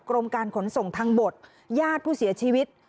กรมการขนส่งทางบกญาติผู้เสียชีวิต